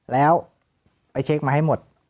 แล้วไปเช็คมาให้หมด